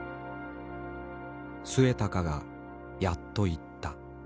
末高がやっと言った。